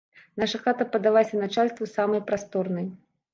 Наша хата падалася начальству самай прасторнай.